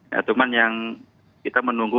ya cuma yang kita menunggu